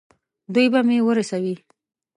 دوی به مې ورسوي.